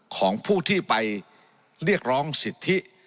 ของผู้ที่ไปเรียกร้องสิทธิ